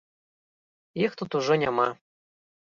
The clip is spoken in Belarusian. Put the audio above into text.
Іх тут ужо няма.